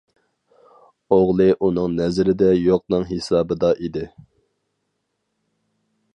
ئوغلى ئۇنىڭ نەزىرىدە يوقنىڭ ھېسابىدا ئىدى.